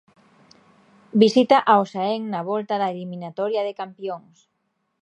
Visita ao Xaén na volta da eliminatoria de campións.